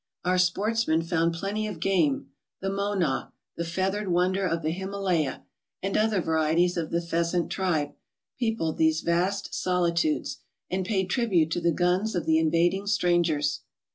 Our sportsmen found plenty of game: the monah, the feathered wonder of the Himalaya, and other varieties of the pheasant tribe, peopled these vast solitudes, and paid tribute to the guns of the invading strangers.